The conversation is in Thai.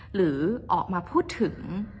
หรือออกมาพูดถึง